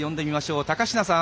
高階さん！